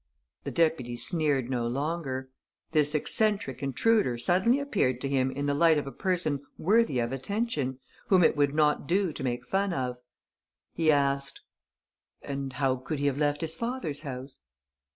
The deputy sneered no longer. This eccentric intruder suddenly appeared to him in the light of a person worthy of attention, whom it would not do to make fun of. He asked: "And how could he have left his father's house?"